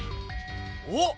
おっ！